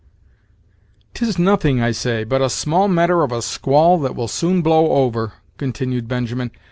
"'Tis nothing, I say, but a small matter of a squall that will soon blow over," continued Benjamin.